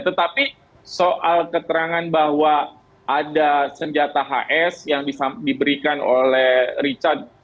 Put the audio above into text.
tetapi soal keterangan bahwa ada senjata hs yang diberikan oleh richard